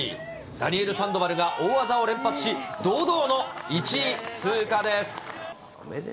ダニエル・サンドバルが大技を連発し、堂々の１位通過です。